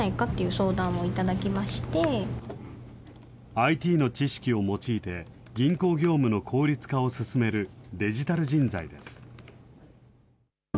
ＩＴの知識を用いて、銀行業務の効率化を進めるデジタル人材です。